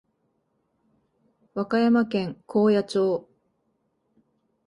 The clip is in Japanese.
和歌山県高野町